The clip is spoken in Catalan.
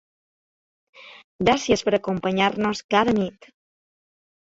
Gràcies per acompanyar-nos cada nit!